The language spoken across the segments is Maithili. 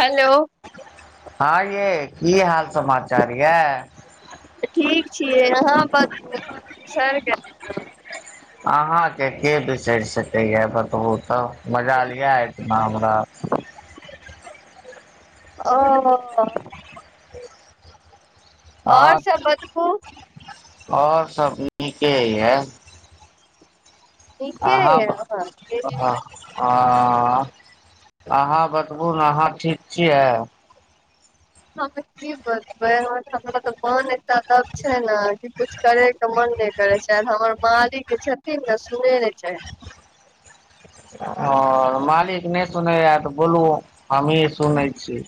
हैलो हँ ये की हाल समाचार यऽ तऽ ठीक छियै अहाँ बतबू अहाँ बिसर गेल्हि न अहाँके के बिसैर सकैए बतबू तऽ मजाल यै एहिठना हमरा ओ हो ओर सब बतबु ओर सभनीके यए नीके हह य अहाँके हँ हं अहाँ बतबू न अहाँ ठीक छियै हम की बतबै हमरा तऽ मन एते दब छै ने कि कुछ करैके मन नै करै छै आर हमर मालिक जे छथिन ने सुनै नैय छै [unintelligible] आओर मालिक नहि सुनै य तऽ बोलू हमहीँ सुनैत छी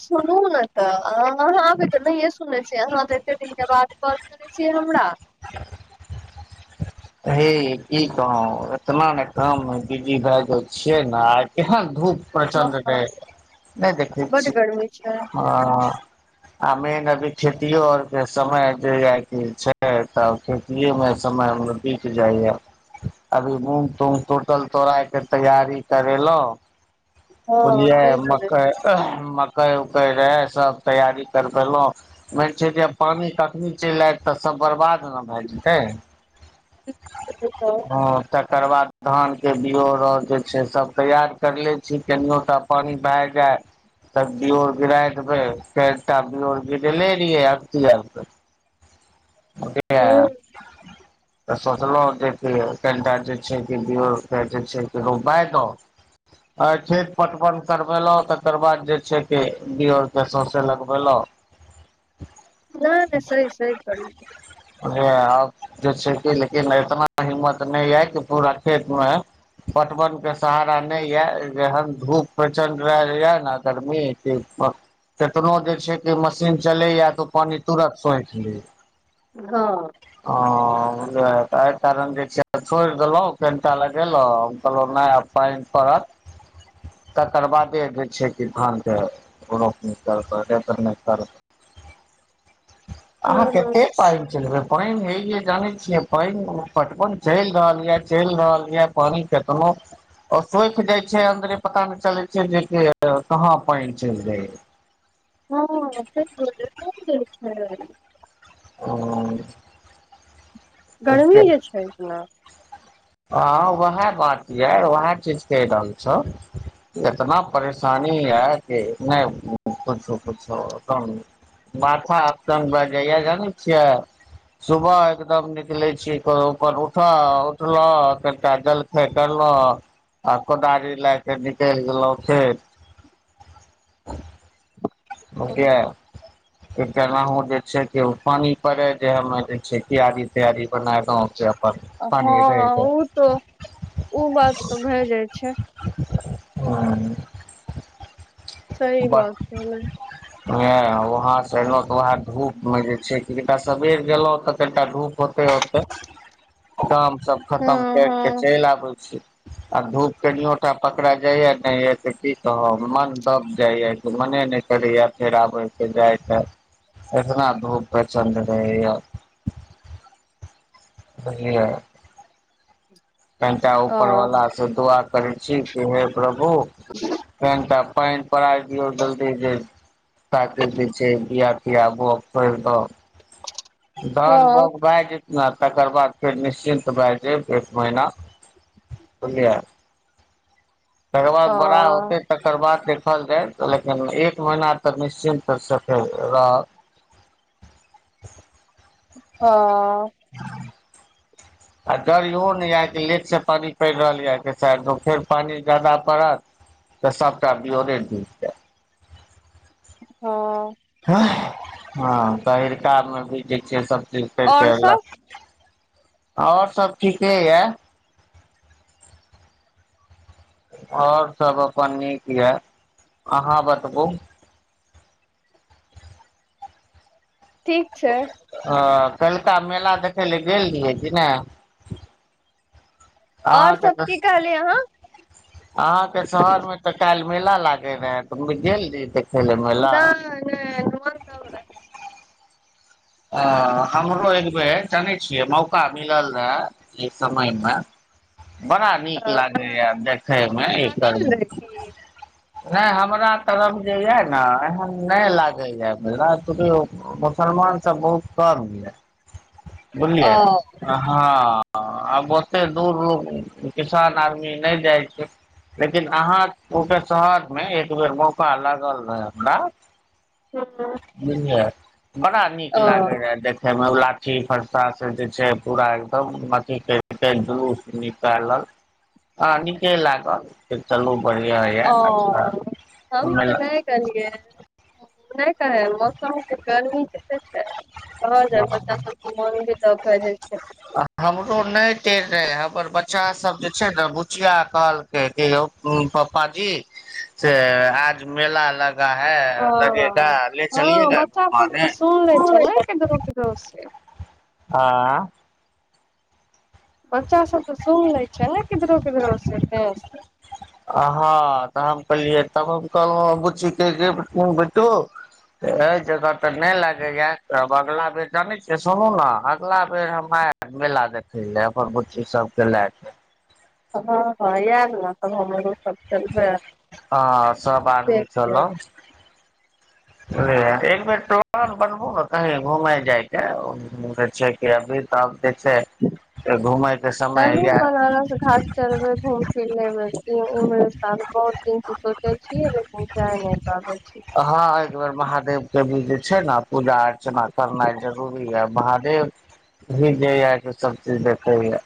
सुनू ने तऽ अहाँ आबै तऽ नहिए सुनैत छियै अहाँ तऽ एते दि के बाद कॉल करैत छी हमरा [unintelligible] हे की कहों एतना ने काम बीजी भ' जाय छियै ने आ केहेन धूप प्रचंड नै हँ नहि देखै बड छी गर्मी छै ह आमे नबी खेतियो आओरके समय जे आबि गेल छै तऽ खेतिएमे समय बीत जाइए अभी मूँग तूँग टूटल तोड़यके तैयारी करेलहुं हँ बलियए सही बोलै मकैइ अह मकैइ रहे सब तैयारी करबेलौ मेन छै जेब पानी कखनी चलि आयत तऽ सब बर्बाद बर्बाद नअ भअ जेतै हँ तकर बाद धानके बीओ रह जे छै सभ तैयार करले छी कनियों टा पानि भए जाय सब्जियों के गिराए तरी ओर गिरे ले रहियै अ ह हँ तऽ सोचलहुँ जे कि कनिटा जे छै कि जे छै कि रुपाय दो आ खेत पटवन करबेलहुँ तकर बाद जे छै से दअरके सौँसे लगबेलहुँ ह [inaudible] नहि नहि सही सहित करलिए नहि आब जे छै कि लेकिन इतना हिम्मत नहि है कि पूरा खेत मे पटवन के सहारा नहि यए जेहन धूप प्रचंड रह य ने गर्मी जे केतनो जे छै कि मशीन चलैया तऽ पानि तुरन्त सोखि लय हँ ओ एहि कारण जे छै छोड़ि देलहुँ कनिटा लगेलहुँ हम कहलहुँ नहि आब पानि पड़त ह तकर बादे जे छै कि धानके रोप नहि करतै रेतर नहि करतै हँ अहाँ कतेक पाइन चलबै पाइनमे जानै छियै पानि पटवन चलि रहल यए चलि रहल यए पानि केतनो आर सोखि जाइ छै अन्दरे पता नहि चलै छै जे कहाँ पानि चलि जाय [inaudible] हँ बोल कोन द छै आ गर्मी जे छैना हँ उएह बात यऽ उएह चीजके दाम छौ एतना परेशानी यै कि नहि पुछो पुछोम बच्छा बजया जानै छियै सुबह एकदम निकले छी पर उपर उठा उटल त काटल फेेकल आ कोदारी लए क निकलि गेलहुँ खेत ओत केनाहु जे छै पानी पर जे ह जे छै त्यारी तैयारी बनाक हँ ओ तऽ ओ बात तऽ भए जाइ छै ह [inaudible] सही बात कहलै ह वहां से एलों वह धूप में जे छै क कटा सबेर गेलो त कनीटा धूप होते काम सब खतम हँ कर के हँ चलि आबे छी आ धूप कनियोटा पकड़ा जाइए नहि त की कहब मन तब इइ मने नहि करैय फेर आबै छै जाइ त एतना धूपमे चन्द रहय बुझलिए यै कनिटा अ ऊपरवालास स दुआ करै छी कि हे प्रभु कनिटा पानि पर आइ दियऔ जल्दी ज साक जे छै बियार तियार पाबितौ धान ह बाउग भए जेत ने तकर बाद फेर निश्चिन्त भए जायब एक महीना सुनलियै तकर बाद बड़ा अ होतै तकर बाद देखल जाय लेकिन एक महीना तऽ निश्चिन्त स फेर रहत [inaudible] हँ आ डर इहो नहि यए कि लेकसँ पानि पैड़ रहल यएो फेर पानि ज्यादा पड़त तऽ सबटाभी ओरे द छै हँ हँ गहिरकामे भी जे छैिय सब ठ और सब आओर सब ठीके यऽ ओर सभ अपन नीक यए अहाँ बतबू [inaudible] ठीक छै हँ पहिलका मेला देखै लए गेल रहियै कि ने अहा और के सब ते की कहलियै अहाँ अहाँ के शहर में ते काईल मेला लागे रहै त गेल र नैय नैय इहो सब रहै ह हमरो एक बेेर जानै छियै मौका मिलल रहए एहि समयमे बड़ा नीक रहे। लागै य देखयमे अहाँ एक गेल रही की नैय हमरा तरफ जे य ने एहन नै लागै य रा चूँकि मुसलमान सब बहुत कम य बुझलियै ओ हँ हँ आब ओतेक दूर लोग किसान आदमी नैयजाइ छै लेकिन अहाँ ओकरे शहरमे एक बेर मौका लागल रहय हमरा बुझलिय बड़ा नीक ओ लागे रहे देख ओमे लाठी फरसा से जे छै पूरा एकदम अथी किके जुलूस निकालल ह नीके लागल चलू बढ़िया ये ओ अच्छा हम तऽ मेला नहि गेलियै नहि कहे मौसम के गर्मी कते छै कहल जाय बच्चा सबक मन भी त हमरो नैय टेर रहे हमर बच्चा सब जे छै ने कीया कहलकै क यौ पपा जी से आज मेला लग ला है ओ लगेगा ले हँ चलिएगा घुमाने स हँ बच्चा सब तऽ सुन लै छै ने किधरो किधरो छै ते आ हँ तऽ हम कहलियै तब हम कहलहुी बुचि के जे बुत्तु एहि जगह तऽ नहि लगेय अब अगला बेर जानैत छियै सुनू ने अगला बेर हम मेला देखै ले अपन बुच्ची सबके लेए के हँ हँ याद ने त हमरो हँ सब आदमी ह चलब एक बेर प्लान बनबू ने कही घुमेय जायके जे छै अभी त चलू या बनारस घाट चलबै घूम फिर लेबै इम्हरे सा बहुत दिन से सोचे छियै लेकिन जाय नहि पाबै छी एकबेर महादेवके छै ने पूजा अर्चना करनाइ जरुर महादेव भी जे ययके सब चीज देखे ह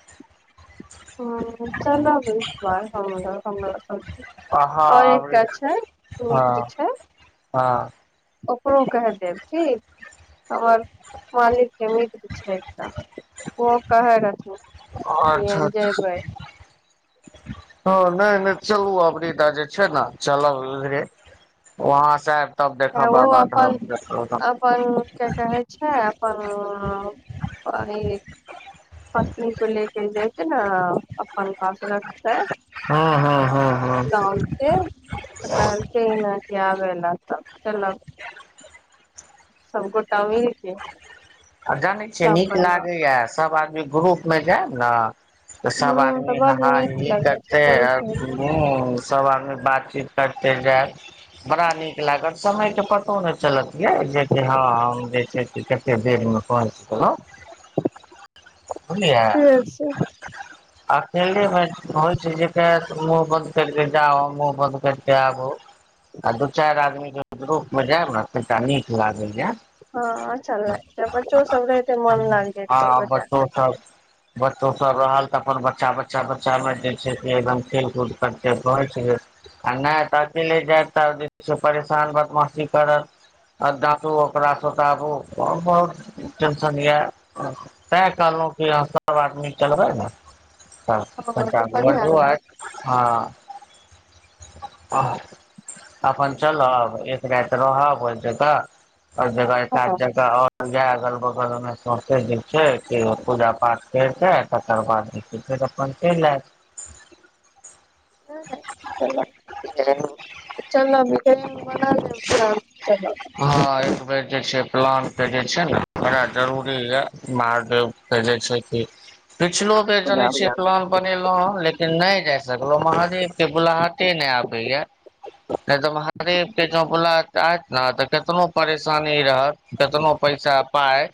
ह चल भ हम अहाँ ओर एकटा छै हँ जे छै हँ ओकरो केह देब ठ हमर मालिक के मित्र छै एकटा ओहो कहे रहथिन अच्छा कि अच्छा [unintelligible] हँ नहि नहि चलु अबरी दऽ जे छै ने चलब इधरे वहाँ से तब त देखब ओ बाबा अपन धाम के प्रोग्राम अपन क कहै छै ह पत्नी को लेके जेते ने अपन पास त हँ हँ हँ हँ गव छै कहलकेनी आबेल तऽ चलब सब गोटा मिलके आ जानै छियै नीक लागैए सब आदमी ग्रुप मे जायब ने तऽ सब ह आदमी तऽ बड हा नीक ही लगे छै करते सही आ कहलियै ह सब आदमी बातचीत करते जायब बड़ा नीक लागत समय के पतो ने चलत ये जेकी ह हँ हम जे छै छी कते देरमे पहुँच गेलहुँ बुझलियय से छै अकेलेमे होइ छै जे मुँह बन्द करिके जाहो मुँह बन्द करिके आबहो आ दू चारि आदमी जे ग्रुप मे जायब ने तटा नीक लागल य हँ अच्छा लाग छै बच्चो सब रहेते मन लागि जेते बच्चा सब आब बच्चोसभ रहल तऽ अपन बच्चा बच्चा बच्चामे जे छै से एकदम खेलकूद करते रहै छै आ नहि तऽ अ केले जायब तऽ परेशान बदमाशी करत आ डांटो ओकरा सताबौ बहुत टेंशन यऽ तैं कहलहुं कि अहाँ सब आदमी चलबै ने हँ तऽ तटार बढ़िया रहत आ हँ आ अपन चलब एक रति रहब ओय जगह ह जगह सात हँ जगह आ गय अगल बगल मेमे सोचते [unintelligible] छै पूजा पाठ करिकऽ तकर बाद जे छै फेर अपन चलि जायत ह च चलभी च ह [unintelligible] एक बेर जे छै प्लान के जे छै ने बड़ा जरूरी ये महादेव के जे छै पिछलो बेर जानै पूजाब छिय प्लान बनेलो ह लेकिन नहि जाय सगलो महादेव के बुलाहाटे नहि आबे या ने तऽ महादेव के बुलाहट आयत ने त केतनो परेशानी रहत केतनो पैसा पाय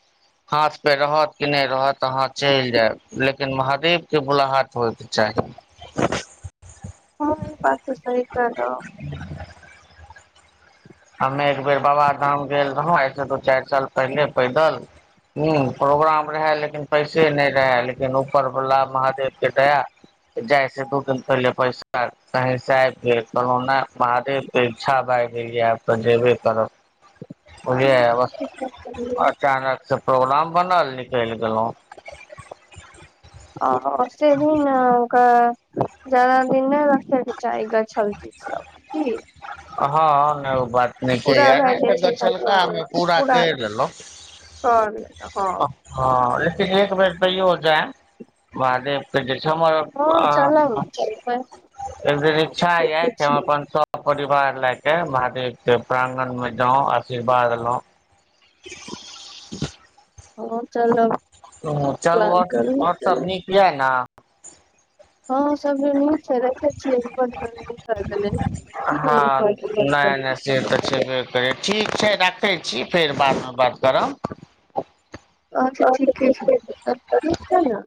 हाथ पे रहत की नहि रहत अहाँ चलि जायब लेकिन महादेव के बुलाहट होय के चाही [unintelligible] हँ ई बात सही कहलौ हमे एक बेेर बाबाधाम गेल रहौ आय सँ दू चारि साल पहिले पैदल ह प्रोग्राम रहै लेकिन पैसे नहि रहए लेकिन ऊपरवला महादेवके दया जै स दू दिन पहिले पैसा कही से आबि गेल कहलौ नहि महादेव क इक्षा त जेबे करब ब बस अचानक से प्रोग्राम बनल निकलि गेलहुँ आ से दिन ओकर जन्मदिन देखैके चाही ग छल चीज सब की हँ बात नहि पूरा भए जाइ छै तऽ अपना छैकामे पूरा कर लेलहुँ कर [unintelligible] लेलौं हँ हँ लेकिन एक बेर त‌इयो जा महादेवके जे छै हमर हँ चलब ने चलबै एकदिन हमहुँ इच्छा य सोचै छी हम अपन सब परिवार लए के महादेव के प्रांगण मे जों आशीर्वाद लो [inaudible] ओ चल ह चलू व वहट्सप नीक य ने हँ सब नीक छै देखे छियै बड़ गर्मी भऽ गेल हँ नहि नहि से तऽ छेबे करै ठीक छै राखे छी फेर बाद में बात करब अच्छा ठीके छै त ठीक छ ने